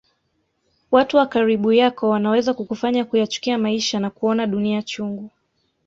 Watu wa karibu yako wanaweza kukufanya kuyachukia maisha na kuona dunia chungu